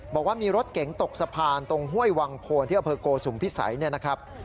บอกว่ามีรถเก๋งตกสะพานตรงห้วยวังโพนที่ศาลีตำรวจฟูทรโกสุมภิษัยนะครับ